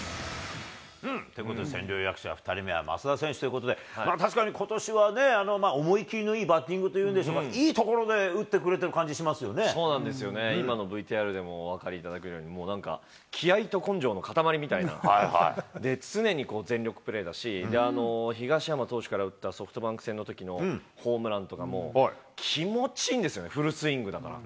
ということで、千両役者２人目は増田選手ということで、確かにことしはね、思い切りのいいバッティングといいますか、いいところで打ってくそうなんですよね、今のＶＴＲでもお分かりいただけるように、気合いと根性の塊みたいな、常に全力プレーだし、東浜投手から打ったソフトバンク戦のときのホームランとかも、気持ちいいんですよね、フルスイングだから。